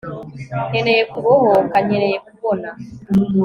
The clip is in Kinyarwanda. nkeneye kubohoka; nkeneye kubona